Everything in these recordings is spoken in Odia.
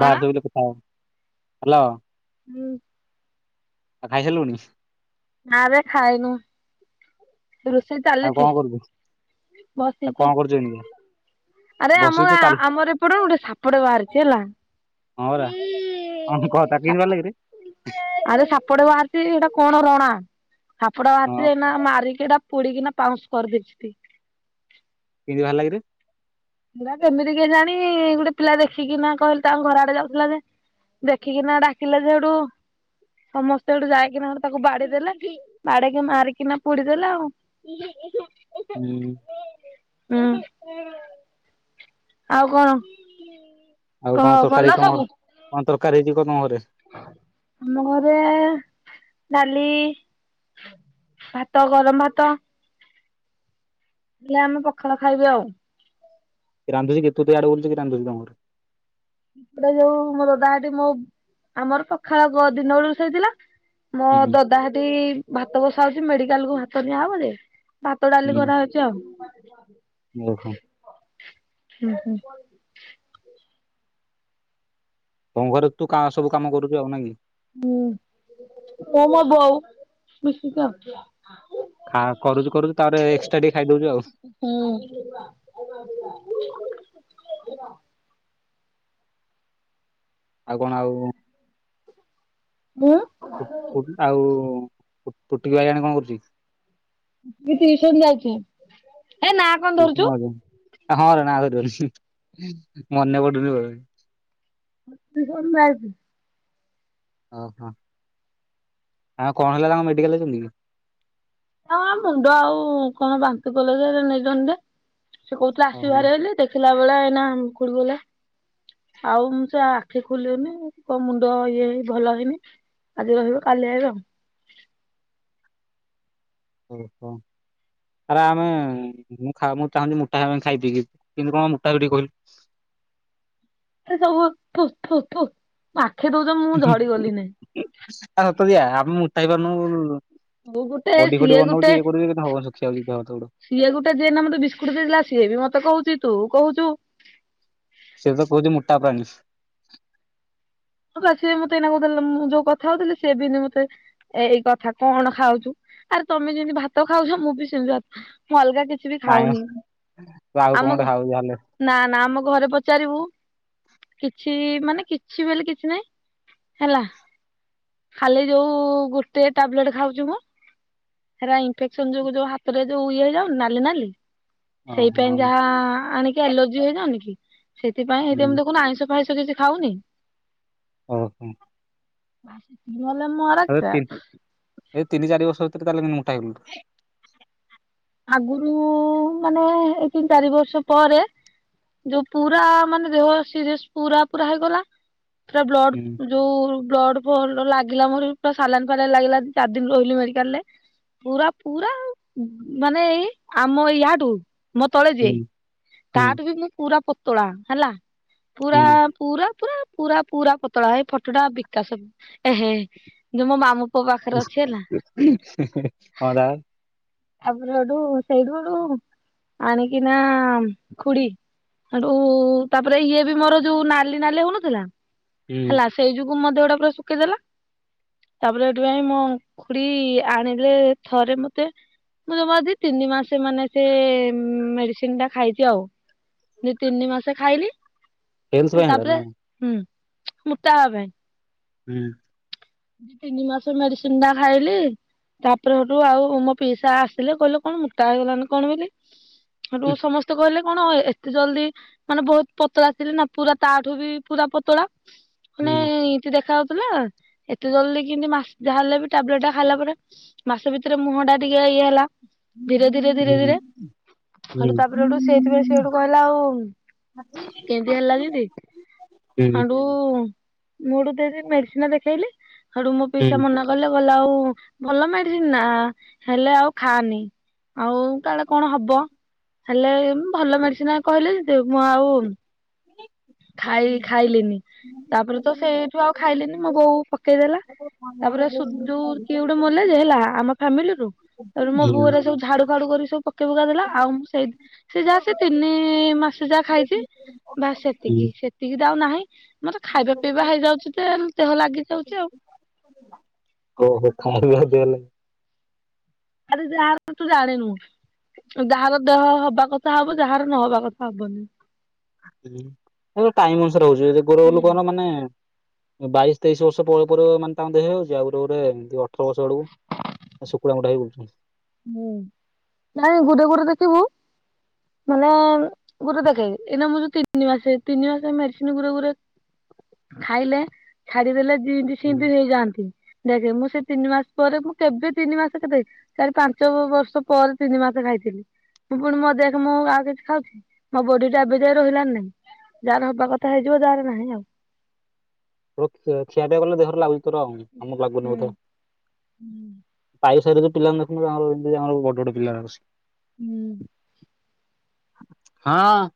କଣ? ସବୁ କଥା [unintelligible] ହାଲୋ ହୁଁ। ଖାଇସାରିଲୁଣି। ନାରେ ଖାଇନୁ। ରୋଷେଇ ଆଉ କଣ ଚାଲଛି। କରୁଛୁ ଆଉ କଣ କରୁଛ ଏମତି? ଆରେ ଆମ ଆମର ଏପଟ ଗୋଟେ ସାପଡ ବାହାରିଛି ହେଲା। ହରା। ଆରେ ସାପଟ ବାହାରିଛି ଏଇଟା କଣ ରଣା। ହାପଡ ହଁ ବାଚନା ମାରିକି ଏଟା ପୋଡିକିନା ପାଉଁଶ କରିଦେଇଛି ଟିକେ କେମିତି ବାହାରିଲା କିରେ। ପରା କେମିତି କି ଜାଣି ଗୋଟେ ପିଲା ଦେଖିକି ନା କହିଲେ ତାଙ୍କ ଘର ଆଡେ ଯାଉଥିଲା ଯେ ଦେଖିକିନା ଡାକିଲେ ଯେଉଠୁ ସମସ୍ତେ ଗଠୁ ଯାଇକିନା ଗେ ତାକୁ ବାଡି ଦେେଲା ବାଡେଇକି ମାରିକିନା ପୋଡି ଦେଲା ଆଉ। ହୁଁ। ହୁଁ। ଆଉ କଣ ଆଉ କହ କଣ ଭଲ ତରକାରୀ ତମ ଘର ସବୁ? କଣ ତରକାରୀବ କ ତମ ଘରେ? ଆମ ଘରେ ଡାଲି ଭାତ ଗରମ ଭାତ। ହେଲେ ଆମେ ପଖାଳ ଖାଇବି ଆଉ। କି ରାନ୍ଧୁଛି କେ ତୁ ତ ଆଡୁ ବୋଲଛ କି ରାନ୍ଧୁଛି। ସେପଟ ଯୋଉ ମୋ ଦଦା ମୋ ଆମର ପଖାଳ ଦିନତଳେ ରୋଷେଇଥିଲା ମୋ ହୁଁ ଦଦାହାଗ୍ଧ୍ଲଭାତ ବସା ହଉଛି ମେଡିକାଲ କୁ ଭାତ ନିଆହବ ଯେ।। ଭାତ ଡାଲି କରାହଉଛି ଆଉ। ଦେଖ ହୁଁ ହୁଁ। ତ ଘରେ ତୁ କା ସବୁ କାମ କରୁଛୁ ଆଉ ନ କି। ହୁଁ କ ମା ବୋଉ ଆଉ ସ୍ତିତିପ୍ରଙ୍ଗ। ଖା କରୁଛୁ କରୁଛୁ ତାପରେ ଏକ୍ସଟ୍ରା ଟିକେ ଖାଇଦଉଛୁ ଆଉ । ଆଉ କଣ ଆଉ। ମୁଁ ଆଉ ଫୁଟିକି ବାରିଲାଣି କଣ କରୁଛି। ଟିଉସନ ଯାଇଛ ହେ ନା କଣ ଟିଉସନ ଧରୁଛୁ। ଯାଉଛି। ହଁ [unintelligible] କ [inaudible] [unintelligible] ଓହୋ ଆଉ କଣ ହେଲା ତାଙ୍କ ମେଡିକାଲ ଯାଇଛନ୍ତି କି? ହଁ ମୁଣ୍ଡ ଆଉ କଣ ବାନ୍ତି କଲେ ଯେ ନେଇଛନ୍ତି। ସେ କହୁଥିଲେ ଆସିବ ଓହୋ ବାହାର ହେଲେ ଦେଖିଲା ବେଳେ ଏଇନା ଖୁଡୀ କହିଲା। ଆଉ ମୁ ସେ ଆଖି ଖୋଲିବନି କଣ ମୁଣ୍ଡ ଇଏ ହେଇ ଭଲ ଲାଗେନି ହେଇନି ଆଜି ରହିବ କାଲି ଆଇବ ଆଉ। ହ [inaudible] ଓହୋ। ଆରେ ଆମେ ମୁଁ ମୁଁ ଚାହୁଁଛି ମୋଟା ହେବାପାଇଁ ଖାଇ ପିଇକି କିଇନ୍ତି କଣ ମୋଟା ହେବି ଟିକେ କହିଲୁ। [inaudible] ଏ ଥୁ ଥୁ ଥୁ ଥୁଆଖେ ଦଉଛ ମୁଁ ଝଡି ଗଲି ନାଇଁ [unintelligible] ହୁଏ ଆମେ ମୁ ଉଠାଇବାରୁନୁ। [unintelligible] ମୁଁ ଗୋଟେ ସିଏ ଗୋଟେ କିନ୍ତୁ ହବନି ଶୁଖିଲା ଯାଉଛି ଦେହ ହାତ ଗୋଡ। ସିଏ ଗୋଟେ ଯିଏ ଏଇନା ବିସ୍କୁଟ ଦେଇଥିଲା ସିଏ ବି ମତେ କହୁଛି ତୁ କହୁଛୁ। ସେ ତ କହୁଛି ମୋଟା ପାଇଁ। ହଁ ତ ସିଏ ମତେଇନା କହୁ ମୁଁ ଯୋଉ କଥା ହଉଥିଲି ସିଏ ବିିନ ମତେ ଏଇ କଥା କଣ ଖାଉଛୁ। [unintelligible] ଆରେ ତମେ ଯେମତି ଭାତ ଖାଉଛ ମୁଁ ବି ସେମିତି ଭାତ ଅଲଗା କିଛି ବି ନାଇଁ ମ ଖାଉନି ତୁ ଆଉ କଣ ଆମ ଗୋଟେ ଖାଉ ଯାହେଲେ ନା ନା ଆମ [inaudible] [unintelligible] [unintelligible] [inaudible] ଘରେ ପଚାରିବୁ କିଛି ମାନେ କିଛି ବୋଲି କି ଛି ନାଇଁ ହେଲା। ଖାଲି ଯୋଉ ଗୋଟେ ଟାବଲେଟ ଖାଉଚି ମୁଁ। ହେରା ଇନଫେକ୍ସନ ଯୋଗୁ ଯୋଉ ହାତରେ ଯୋଉ ଇଏ ହେଇଯାଉ ନାଲି ନାଲି ସେଇପାଇଁ ଓହୋ ଯାହା ଆଣିକି ଆଲର୍ଜି ହେଇଯାଉନି କି ସେଥିପାଇଁ ଏଇ ଯେମିତି ହୁଁ। ଦେଖୁନ ଆଇଁଷ ଫାଇଁ ଷ କିଛି ଖାଉନି। ଓହୋ। [unintelligible] [inaudible] [unintelligible] ଆରାମସେ ତିନ୍ ଏ ତିନି ଚାରି ଦର୍ଷ ଭିତରେ ତାହେଲେ ମୁଁ ମୋଟା ହେଇଗଲି [unintelligible] ଆଗରୁ ମାନେ ଏଇ ତିନି ଚାରି ବର୍ଷ ପରେ ଯୋଉ ପୁରା ମାନେ ଦେହ ସିରିଏସ୍ ପୁରା ପୁରା ହେଇଗଲା। ପୁରା ବ୍ଲଡ ଯୋଉ ବ୍ଲଡ ପ୍ଲଡ ଲାଗିଲା ମୋର ପୁରା ସଲାଇନ ଫାଲାଇନ ଲାଗିଲା ଚାରି ଦିନ ରହିଲି ମେଡିକାଲରେ। ପୁରା ପୁରା ମାନେ ଏଇ ଆମ ୟାଠୁ ମୋ ତଳେ ଯିଏ ହୁଁ ହୁଁ। ତାଠୁ ବି ମୁଁ ପୁରା ପ ତଳା ହେଲା ପୁରା ହୁଁ ପୁରା ପୁରା ପୁରା ପୁରା ପତଳା ହେ ଫଟାଟା ବିକାଶ ଏହେ ଯୋଉ ମୋ ମାମୁଁ ପୁଅ ପାଖରେ ଅଛି ହେଲା [unintelligible] [inaudible] ଆବରଡୁ ସେଇ [unintelligible] ଆଣିକି ନା ଖୁଡି ହେଟୁ ତାପରେ ଇଏ ବି ମୋର ଯୋଉ ନାଲି ନାଲି ହୋଉନଥିଲା ହୁଁ ହେଲା ସେଇ ଯୋଉ କୁ ମୋ ଦେହଟା ପୁରା ଶୁଖେଇ ଦେଲା। ତାପରେ ଏଠୁ ଯାଇଁ ମୋ ଖୁଡି ଆଣିଲେ ଥରେ ମତେ ମୁଁ ଜମା ଦି ତିନି ମାସ ମାନେ ସେ ମେଡିସିନଟା ଖାଇଚି ଆଉ। ଦି ତିନି ମାସେ ଖାଇଲି ହେଲ୍ଥ ପାଇଁ ହେଲେ ହେଇଟା ନା ତାପରେ କଣ? ହୁଁ ମୁଟା ହେବା ପାଇଁ। ହୁଁ। ଦି ତିନି ମାସ ମେଡିସିନ ଟା ଖାଇଲି ତାପରେ ସେଠୁ ଆଉ ମୋ ପିଇସା ଆସିଲେ କହିଲେ କଣ ମୋଟା ହେଇଗଲାନି କଣ ବୋଲି ସେଠୁ ସମସ୍ତେ କହିଲେ କଣ ଏତେ ଜଲଦି ମାନେ ବହୁତ ପତଳା ଥିଲି ନା ପୁରା ତାଠୁ ବି ପୁରା ପତଳା ହୁଁ ମାନେ ଇନ୍ତି ଦେଖା ହାଉଥିଲା ଏତେ ଜଲ୍ଦି କେମିତି ମାସେ ଯାହାହେଲେ ବି ଟାବଲେଟ ଟା ଖାଇଲା ପରେ ମାସ ଭିତରେ ମୁହଁ ଟା ଟିକେ ଇଏ ହେଲା। ଧୀରେ ଧୀରେ ଧୀରେ ଧୀରେ ହୁଁ ହେଠୁ ତାପରେ ହେଠୁ ସେଇଥିପାଇଁ ସେ ହେଠୁ କହିଲା ଆଉ କେମିତି ହେଲା ଯେନ୍ତି ହୁଁ ହେଠୁ ମୁଁ ହେଠୁ ଯେନ୍ତି ମେଡିସିନ ଦେଖେଇଲି ହେଡୁ ମୋ ହୁଁ ପଇସା ମନା କଲେ କହିଲେ ଆଉ ଭଲ ମେଡିସିନ ଟା ହେଲେ ଆଉ ଖାଆନି। ଆଉ କାଳେ କଣ ହବ ହେଲେ ଭଲ ମେଡିସିନ କହିଲେ ଜେତୁ ମୁଁ ଆଉ ଖାଇ ଖାଇଲିନି ତାପରେ ତ ସେଇଠୁ ଆଉ ଖାଇଲିନି ହୁଁ। ମୋ ବୋଉ ଦେଲା ତାପରେ ହୁଁ। ସୁଧୁ କିଏ ଗୋଟେ ମଲେ ଯେ ହେଲା ଆମ ଫ୍ୟାମିଲିରୁ ହେଠୁ ମୋ ବୋଉ ହେରିକା ସବୁ ଝଡୁାଫାଡୁ କରି ସବୁ ପକ କ ପକାଇ ପୁକା ଦେଲା ଆଉ ମୁଁ ସେଇ ସେ ଯାହା ସେ ତିନି ମାସ ଯାହା ଖାଇଚି ବାସ ସେତିକି ହୁଁ। ସେତିକି ତ ଆଉ ନାହିଁ ମତେ ଖାଇବା ପିଇବା ହେଇଯାଉଚି ତେ ଦେହ ଲାଗିଯାଉଚି ଓହୋ ଖାଇବା ଦେଲେ ଆରେ ଯାହାର ତୁ ଜାଣିନୁ ଯାହାର ଦେହ ହବ ବା କଥା ହବ ଯାହାର ନହବା କଥା ହବନି। ସବୁ ଟାଇମ ଅନୁସାରେ ହଉଛି ଯ ଗୋର ହୁଁ। ଲୋକର ମାନେ- ବାଇଶ ତେଇଶି ବର୍ଷ ପରେ ପରେ ମାନେ ତାଙ୍କ ଦେହ ହଉଛି ଆଉ ଗୋଟେ ଏମତି ଅଠର ବର୍ଷ ବେଳକୁ। ଶୁକୁଡ଼ା ମୁୁଠା ବୁ- ହୁଁ ନା ଗୁଟେ ଘୁରେ ଦେଖିବୁ ମାନେ ଗୋଟେ ଦେଖେ ଏଇନା ମୁ ଯୋଉ ତିନି ମାସେ ତିନି ମାସେ ମେରିସିନ ଗୁଟେ ଗୁଟେ ଖାଇଲେ ଛାଡିଦେଲେ ଜିନ୍ତି ହୁଁ। ଶିନ୍ତି ହେଇଯାଆନ୍ତି। ଦେଖେ ମୁଁ ସେ ତିନି ମାସ ପରେ ମୁଁ କେବେ ତିନି ମାସ କେବେ ଚାରି ପାଞ୍ଚ ବ -ବର୍ଷ ପରେ ତିନି ମାସ ଖାଇଥିଲି। ଏ ପୁଣି ମୋ ଦେହଖ ମୁଁ ଆଉ କିଛି ଖାଉଚି, ମୋ ବଡି ଟା ଏବେ ଯାଇ ରହିଲାନି ନାଇଁ, ଯାହାର ହବା କଥା ହେଇଯିବ ଯାହାର ନାହିଁ ଆଉ। ତୋର ଖିଆ ପିଆ କଲେ ଦେହରେ ଲାଗୁ ତୋର ହଉନି, ଆମକୁ ଲାଗୁନି ହୁଁ। ବୋଧେ। ହୁଁ ଖାଇ ସାରି କି ପିଲାଙ୍କୁ ଦେଖନୁ ତାଙ୍କର ଏବେ ଯାଏଁ ନେ ବଡ ବଡ ପିଲାଯାକ ବସି ହୁଁ। ହଁ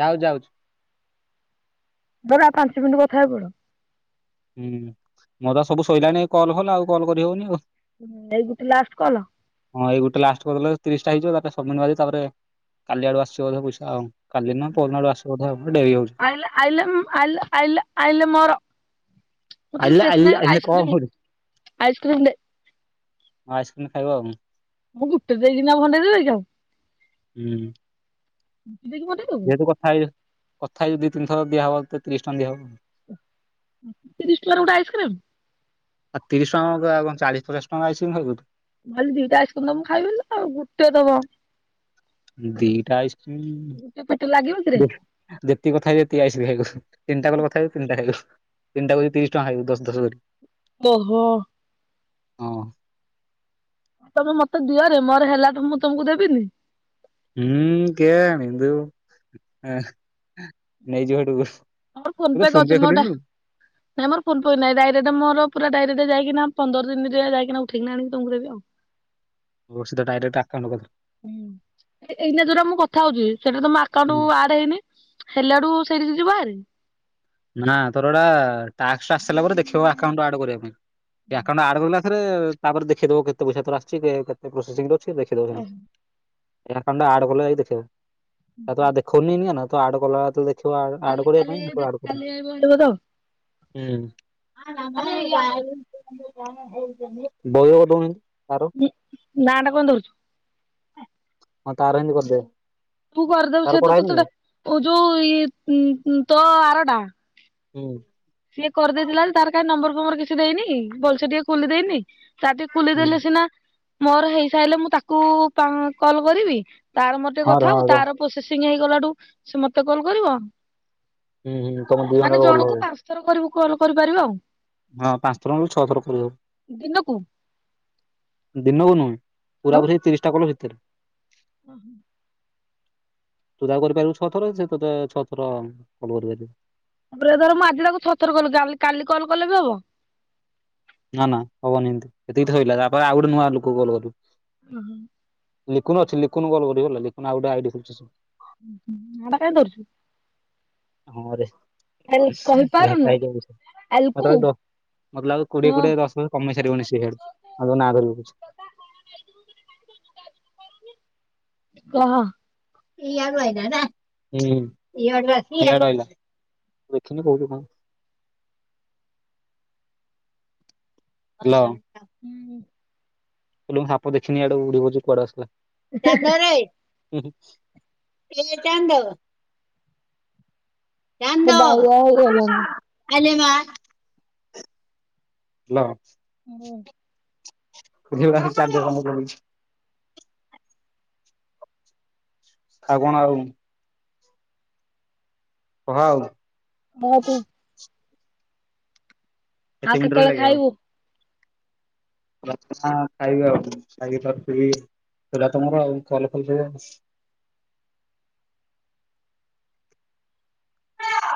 ଯାଉ ଯାଉଚି। ଧ ର ପାଞ୍ଚ ମିନିଟ କଥା ହଇ ପଡ। ହୁଁ ମୋର ତ ସବୁ ଶଇଲାଣି କଲ୍ ଫଲ୍ ଆଉ କଲ୍ କରିହଉନି ଆଉ। ହୁଁ ଏଇ ଗୋଟେ ଲାଷ୍ଟ କଲ? ହଁ ଏଇ ଗୋଟେ ଲାଷ୍ଟ କରିଦେଲେ ତିରିଶଟା ହେଇଯିବ ତାପରେ ସବମିଟ ମାରିକି ତାପରେ କାଲି ଆଡୁ ଆସୁଚି ବୋଧେ ପଇସା ଆଉ। କାଲି ନା ପରଦିନ ଆଡୁ ଆସିବ ବୋଧେ ଆଉ ଡେରି ହୁଁ ହଉଛି ଆଇଲ ଆଇଲ ଆଇଲ ଆଇଲ ଆଇଲ ମୋର ମତେ ଆଇଲ ଆଇଲ ଷ୍ଟେସନାରୀ ଆଇଲ କଣ ଆଇସ୍କ୍ରିମ କରୁ, ଆଇସ୍କ୍ରିମ ଦେ ଆଉ ଆସି ଖାଇବ ଆଉ। ମୁଁ ଗୋଟେ ଦେଇକି ନା ଭଣ୍ଡେଇ ଦେଇଚ? ହୁଁ। ଦେଇକି ଭଣ୍ଡେଇ ଦବୁ ଯେହେତୁ କଥା ହେଇ କଥା ହେଇଯା ଦି ତିନି ଥର ଦିଆହବ ତ ତୋତେ ତିରିଶ ଟଙ୍କା ଦିଆ ହବ। ତିରିଶ ଟଙ୍କାର ଗୋଟେ ଆଇସ୍କ୍ରିମ୍। ଆଉ ତିରିଶ ଟଙ୍କା କଣ ଆ ଚାଳିଶ ପଚାଶ ଟଙ୍କାର ଆଇସକ୍ରିମ ଖାଇବୁ ତୁ? ଭାବଲି ଦିଟା ଆଇସ୍କ୍ରମ ଦବୁ ମୁ ଖାଇବ ବୋଲି ନା ଆଉ ଗୋଟେ ଦବ? ଦିଟା ଆଇସ୍କିମ, ଗୋଟେ ପେଟ ଲାଗିବ କିରେ। ଯେତି ଯେତିକ କଥା ହେ, ସେତିକି ଆଇସକ୍ରି ଖାଇବୂ। ତିନି ଟା କଲ୍ କଥାହବୁ ତିନିଟା ଖାଇବୁ। ତିନିଟା କରି ତିରିଶ ଟଙ୍କା ଖାଇବୁ ଦଶ ଦଶ ଧରି। ଓହୋ। ହଁ। ଆ ତମେ ମତେ ଦିଅରେ ମୋର ହେଲା ଠୁ ମୁଁ ତମକୁ ଦେବିନି? ହୁଁ କେ ଜାଣି ତୁ ନେଇଯିବୁ ସେଠୁ ମୋ ଫୋନ ପେ କରିଚି, ମୋଟା ନାଇ ମୋର ଫୋନ ପେ ନାଇଁ ଡାଇରେକ୍ଟ ମୋର ପୁରା ଡାଇରେକ୍ଟ। ଯାଇକିନା ପନ୍ଦର ଦିନରେ ଯାଇକିନା ଉଠେଇକି ନା ଆଣିକି ତମକୁ ଦେବି ଆଉ। ତୋର୍ଷ ସିଧା ଡାଇରେଟା ହଁ ଏଇ ଏଇନା ଯୋଉଟା ମୁଁ କଥା ହଉଚି ସେଟା ତମ ଆକାଉଣ୍ଟ ଆଡ ହେଇନି। ହେଲା ଆଡୁ ସେଠିକ ଯିବ ଆରି? ନା ତୋର ଗଟା ଟାସ୍କ ଆସି ସାରଲା ପରେ ଦେଖେଇବ ଆକାଉଣ୍ଟ ଆଡ କରିବା ପାଇଁ, ଆକାଉଣ୍ଟ ଆଡ କରିଲା ପାରେ ତାପରେ ଦେଖିଦବ କେତେ ପଇସା ତର ଆଶିଚି କେତେ ପ୍ରୋସେସିଂରେ ଅଛି ଦେଖିଦବ ସେମ ଏ ଆକାଉଣ୍ଟ ଆଡ କଲେ ଯାଇ ଦେଖେଇବ ତ ଆ ତ ଦେଖଉନି ନିଆନ ଏ ତ ଆଡ କଲା ବେଳକୁ ଦେ ଖେଇବ ଆଡ଼ କରିବା ପାଇଁ ସେତେବେଳ ଆଡ଼ କର୍ଦବୁ। ରେ ମିଳିବ ତ? ହୁଁ। ବଉ ର ଦୌନହା ଏ ନାଁଟା କଣ ଦଉଚୁ? ହଁ ତାର ଏମିତି କରିଦେ। ତୁ କରିଦବୁ ତାର ସେ ତ କରାହେଇନି କି? ତଟ ଯୋଉ ଇଏ ଉଁ ଉଁ ତୋ ଆର ଟା। ହୁଁ। ସିଏ କରିଦେଇଥିଲା ତାର କାଁଇ ନମ୍ବର ଫମ୍ବର କିଛି ଦେଇନି, ବଲସେ ଟିକେ ଖୋଲିଦେଇନି। ତାରଟି ଖୋଲିଦେଲେ ସିନା ମୋର ହେଇସାରିଲେ ମୁଁ ତାକୁ ପା କଲ କରିବି? ତାର ମୋର ଟିକେ ହଁ ର କଥା ହଁ ହବୁ, ର ତାର ପ୍ରୋସେସିଂ ହେଇଗଲାଠୁ ସେ ମତେ କଲ୍ କରିବ। ହୁଁ ହୁଁ ତମର ଦୁଇ ଜଣ ମାନେ ଯାକ ଭଲ ଜଣକୁ ହବ। ପାଞ୍ଚ ଥର କରିବୁ କଲ କରିପାରିବ ଆଉ? ହଁ ପାଞ୍ଚ ଥର ନହେଲେ ଛଅଥର କରିହବ, ଦିନକୁ ଦିନକୁ ନୁହେଁ। ପୁରାପୁରୀ ତିରିଶ ଟା କଲ ଭିତରେ। ଅ ହ। ତୁ ଯାହାକୁ କରିପାରିବୁ ଛଅ ଥର, ସେ ତତେ ଛଅଥର କଲ କରିପାରିବ। ତାପରେ ଧର ମୁଁ ଆଜି ତାକୁ ଛଅ ଥର କଲି କାଲି କାଲି କଲ୍ କଲେ ବି ହବ। ନା ନା ହବନି ଏମତି, ଏତିକି ତ ସଇଲା ତାପରେ ଆଉ ଗୋଟେ ନୂଆ ଲୋକକୁ କଲ କରିବୁ। ଓହ। ଲିକୁନ ଅଛି ଲିକୁନକୁ କଲ କରିବୁ ହେଲା, ଲିକୁନ୍ ଆଉ ଗୋଟେ ଆଇ ଡି ଖୋଲିଚି। [unintelligible] ହଁରେ। ଆଲ [unintelligible] କହିପାରୁନୁ ଆଲକୁ ମତେ ଲାଗୁଛ କୋଡିଏ ହଁ କୋଡିଏ ଦଶ କମେଇ ସାରିବନି ସେଇଆଡୁ ଆଉ ନା ଧରିବୁ [unintelligible] [inaudible] କହ। ହୁଁ, ଇଆଡୁ ଆଇଲା। ଦେଖିନି କୋଉଠି କଣ୍। ହ୍ୟାଲୋ। ସାପ ଦେଖିନି ଆଡୁ ଉଡ଼ି କୁଆଡୁ ଆସିଲା? ଏ କନ୍ଦ। ମୋ ଚାନ୍ଦ ବାଇଆ ହେଇଗଲାଣି। ଆଲିମା। ହାଲୋ। ହଁ। ଚାର ଜାଗା [unintelligible] ଠାଗଣ ଆଉ। ହହାଉ। ହ କୁ [unintelligible] କେତେ ଆଉ ମିନିଟ୍ କେତେବେଳେ ଖାଇବୁ? ହଁ ଖାଇବେ ଆଉ ଖାଇିିବ [unintelligible] ହେଲା ତମର ଆଉ କଲ ଫଲ ସବୁ ଆଉ।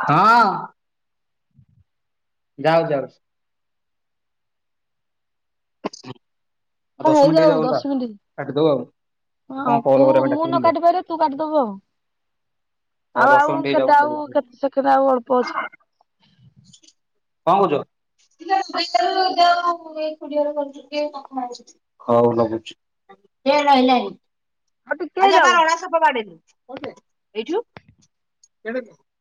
ହଁ ଯାଉ ଯାଉଛି। ଆଉ ହଁ ଦଶ ମିିନିଟ ହେଇ ହେଇଯାଉ ଯାଉ ହେଲା, ଦଶ ମିନିଟ୍। କାଟିଦବୁ ଆଉ। ହଁ କଣ କଲ୍ ତୁ କରିବା ପାଇଁ ମୁଁ ନ ଡାକିଲୁନି ମୋର କାଟି ପାରିଲେ ତୁ କାଟିଦବୁ ଆଉ। ହଉ ଆଉ ଦଶ ଆଉ ମିନିଟ୍ ହେଇଯାଉ କେତେ କଣ ଆଉ କହୁଛ? କେତେ ସେକେଣ୍ଡ ଆଉ ଅଳ୍ପ ଅଛି। କଣ କହୁଛ? ହଉ ଲଗଉଛି। ସେ ରହିଲାଣି। ଆଉ ଟିକେ ଆଜି ଯାଉ। ଆମର ରଣା ସାପ ବାଡେଇଲୁ, ଏଇଠୁ।